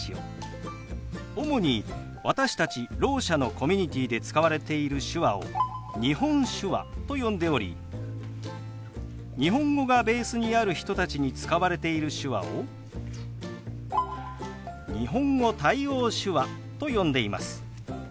主に私たちろう者のコミュニティーで使われている手話を日本手話と呼んでおり日本語がベースにある人たちに使われている手話を日本語対応手話と呼んでいます。